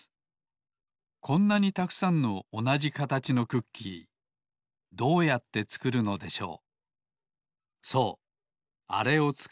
こんなにたくさんのおなじかたちのクッキーどうやってつくるのでしょう。